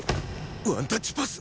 ワンタッチパス？